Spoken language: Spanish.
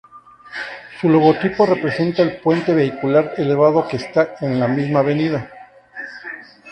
Su logotipo representa el puente vehicular elevado que está en la misma avenida.